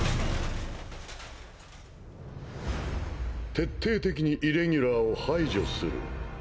徹底的にイレギュラーを排除する。